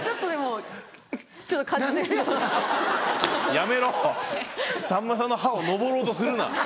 やめろさんまさんの歯を登ろうとするな。